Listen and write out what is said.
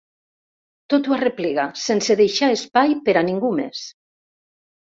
Tot ho arreplega, sense deixar espai per a ningú més.